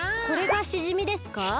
これがしじみですか？